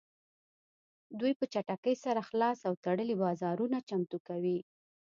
دوی په چټکۍ سره خلاص او تړلي بازارونه چمتو کوي